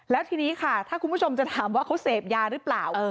แล้วทีนี้ค่ะถ้าคุณผู้ชมจะถามว่าเขาเสพยาหรือเปล่า